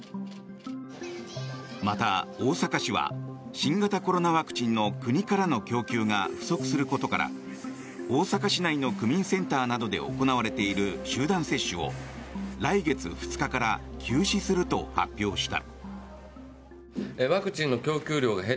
また、大阪市は新型コロナワクチンの国からの供給が不足することから大阪市内の区民センターなどで行われている集団接種を来月２日から休止すると発表した。